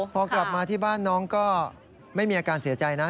พอกลับมาที่บ้านน้องก็ไม่มีอาการเสียใจนะ